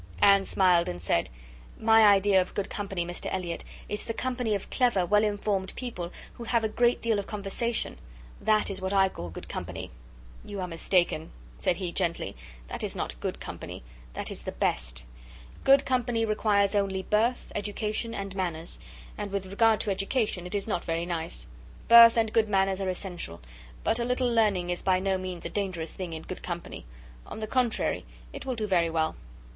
Anne smiled and said, "My idea of good company, Mr Elliot, is the company of clever, well informed people, who have a great deal of conversation; that is what I call good company." "You are mistaken," said he gently, "that is not good company; that is the best. Good company requires only birth, education, and manners, and with regard to education is not very nice. Birth and good manners are essential; but a little learning is by no means a dangerous thing in good company; on the contrary, it will do very well.